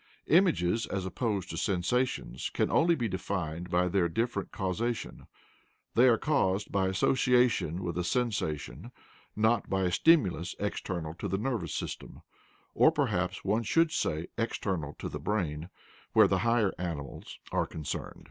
Images, as opposed to sensations, can only be defined by their different causation: they are caused by association with a sensation, not by a stimulus external to the nervous system or perhaps one should say external to the brain, where the higher animals are concerned.